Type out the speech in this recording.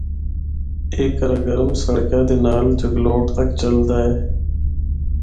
اے قراقرم سڑکا دے نال جگلوٹ تک چلدا ہے۔